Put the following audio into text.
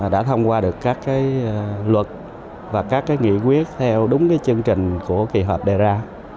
đã thông qua được các luật và các nghị quyết theo đúng chương trình của kỳ họp đề ra